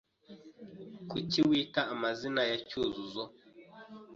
Kuki wita amazina ya Cyuzuzo?